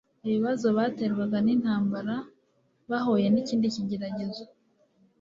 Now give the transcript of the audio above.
ibibazo baterwaga n intambara bahuye n ikindi kigeragezo